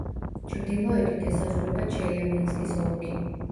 ჩრდილოეთით ესაზღვრება ჩელიაბინსკის ოლქი.